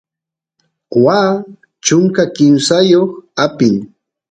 waa chunka kimsayoq apin